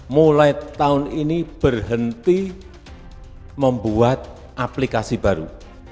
mulai tahun ini berhenti membuat aplikasi baru